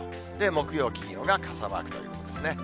木曜、金曜が傘マークということですね。